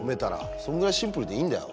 そんぐらいシンプルでいいんだよ。